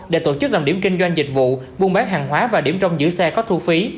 để tổ chức làm điểm kinh doanh dịch vụ buôn bán hàng hóa và điểm trong giữ xe có thu phí